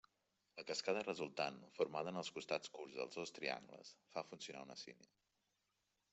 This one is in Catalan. La cascada resultant, formada en els costats curts dels dos triangles, fa funcionar una sínia.